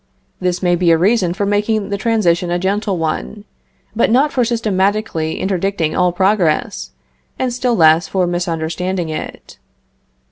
This may be a reason for making the transition a gentle one, but not for systematically interdicting all progress, and still less for misunderstanding it.